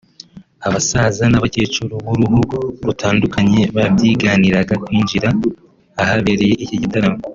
abasaza n’abakecuru b’uruhu rutandukanye babyiganiraga kwinjira ahabereye iki gitaramo